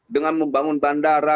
dengan membangun bandara